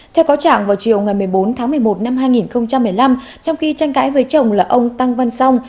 theo có trạng vào chiều ngày một mươi bốn tháng một mươi một năm hai nghìn một mươi năm trong khi tranh cãi với chồng là ông tăng văn song